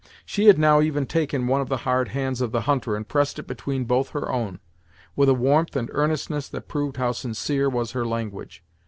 She had now even taken one of the hard hands of the hunter and pressed it between both her own, with a warmth and earnestness that proved how sincere was her language.